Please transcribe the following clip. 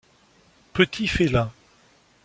Petits félins.